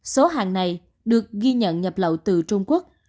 số hàng này được ghi nhận nhập lậu từ trung quốc